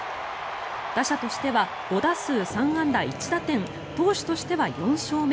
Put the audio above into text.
打者としては５打数３安打１打点投手としては４勝目。